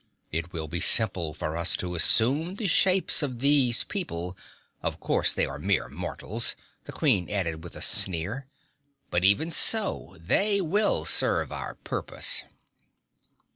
It will be simple for us to assume the shapes of these people of course they are mere mortals " the Queen added with a sneer, "but even so they will serve our purpose."